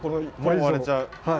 もう割れちゃう。